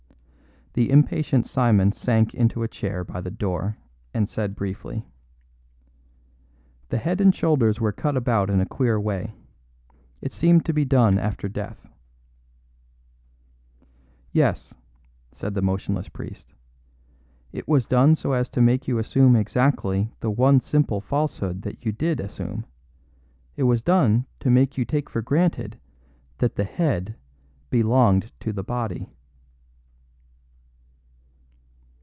The impatient Simon sank into a chair by the door and said briefly: "The head and shoulders were cut about in a queer way. It seemed to be done after death." "Yes," said the motionless priest, "it was done so as to make you assume exactly the one simple falsehood that you did assume. It was done to make you take for granted that the head belonged to the body."